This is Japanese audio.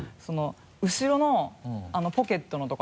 後ろのポケットのところ。